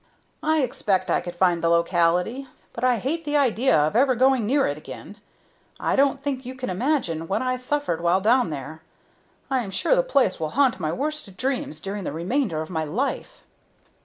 "I expect I could find the locality, but I hate the idea of ever going near it again. I don't think you can imagine what I suffered while down there. I am sure the place will haunt my worst dreams during the remainder of my life."